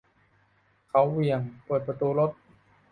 เขาเหวี่ยงเปิดประตูรถ